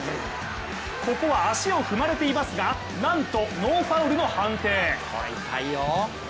ここは足を踏まれていますがなんとノーファールの判定。